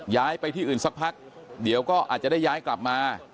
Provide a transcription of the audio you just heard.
ย้ายไปที่อื่นสักพักเดี๋ยวก็อาจจะได้ย้ายกลับมา